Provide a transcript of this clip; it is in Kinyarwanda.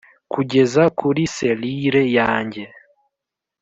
kugeza kuri selire yanjye